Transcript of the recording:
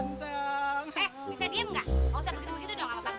nggak usah begitu begitu dong sama bang dahlan